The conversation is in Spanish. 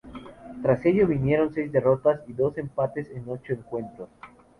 Tras ello vinieron seis derrotas y dos empates en ocho encuentros.